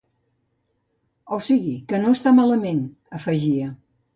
O sigui que no està malament, afegia.